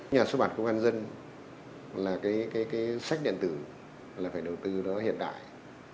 nhà xuất bản công an dân là cái sách điện tử là phải đầu tư nó hiện đại